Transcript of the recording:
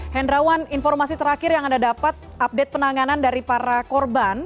hendrawan informasi terakhir yang anda dapat update penanganan dari para korban